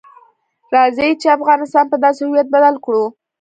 راځئ چې افغانستان په داسې هویت بدل کړو.